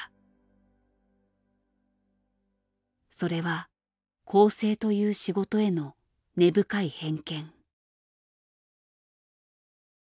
それは校正という仕事への根深い偏見。